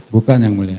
bukan yang mulia